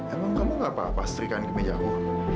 emang kamu nggak apa apa setrikain kemejamu